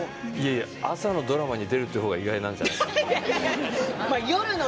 いえ、朝のドラマに出るという方が意外なんじゃないかな。